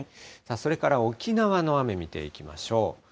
それから沖縄の雨、見ていきましょう。